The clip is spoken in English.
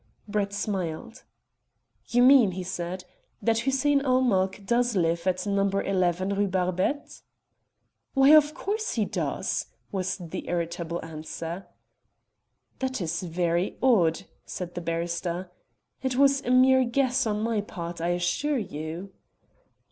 Brett smiled. "You mean," he said, "that Hussein ul Mulk does live at No. 11, Rue Barbette." "Why, of course he does," was the irritable answer. "That is very odd," said the barrister. "It was a mere guess on my part, I assure you."